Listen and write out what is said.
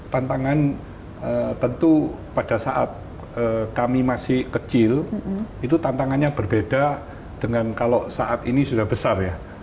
tantangan tentu pada saat kami masih kecil itu tantangannya berbeda dengan kalau saat ini sudah besar ya